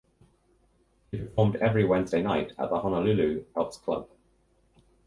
He performed every Wednesday night at the Honolulu Elks Club.